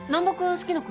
好きな子。